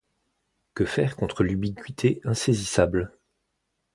Que faire contre l’ubiquité insaisissable?